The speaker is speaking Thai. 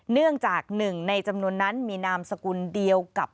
เนื่องจากหนึ่งในจำนวนนั้นมีนามสกุลเดียวกับ